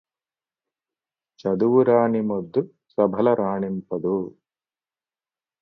చదువురాని మొద్దు సభల రాణింపదు